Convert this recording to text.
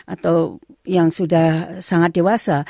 atau yang sudah sangat dewasa